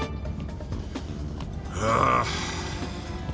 ああ。